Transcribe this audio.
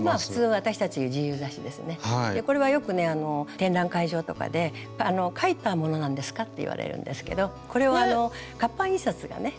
これはよくね展覧会場とかで「描いたものなんですか？」って言われるんですけどこれは活版印刷がね